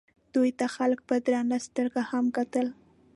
دوی ته خلکو په درنه سترګه هم کتل.